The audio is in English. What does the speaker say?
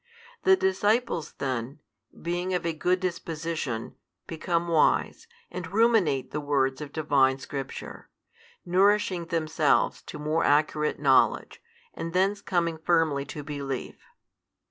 The disciples then, being of a good disposition, become wise, and ruminate the words of divine Scripture, nourishing themselves to more accurate knowledge, and thence coming firmly to belief.